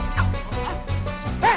jangan lari lo